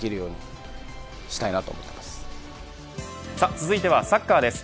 続いてはサッカーです。